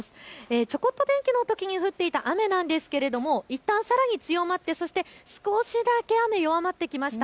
ちょこっと天気のときに降っていた雨なんですがいったんさらに強まってそして少しだけ雨、弱まってきました。